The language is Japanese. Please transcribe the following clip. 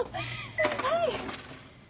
はい。